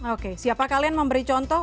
oke siapa kalian memberi contoh